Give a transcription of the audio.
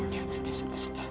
ya sudah sudah